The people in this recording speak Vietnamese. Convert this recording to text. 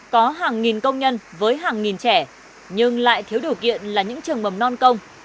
có hàng nghìn công nhân với hàng nghìn trẻ nhưng lại thiếu điều kiện là những trường mầm non công